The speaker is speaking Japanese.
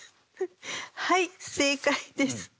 はい正解です。